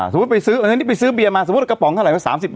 สมมุติไปซื้ออันนี้ไปซื้อเบียนมาสมมุติกระป๋องเท่าไหร่ว่า๓๐บาท